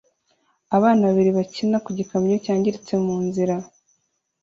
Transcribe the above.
Abana babiri bakina ku gikamyo cyangiritse mu nzira